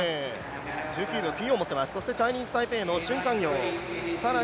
１９秒９４を持っています、チャイニーズタイペイの選手。